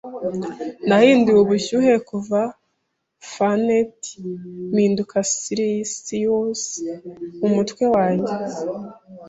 Nahinduye ubushyuhe kuva Fahrenheit mpinduka selisiyusi mumutwe wanjye.